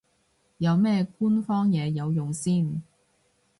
有咩官方嘢有用先